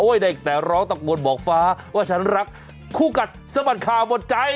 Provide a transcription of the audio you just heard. ได้แต่ร้องตะโกนบอกฟ้าว่าฉันรักคู่กัดสะบัดข่าวหมดใจ